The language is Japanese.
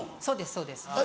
そうですそうです。